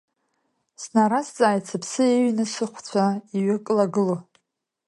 Снаразҵааит сыԥсы ҩеины сыхәцәа иҩкылагыло.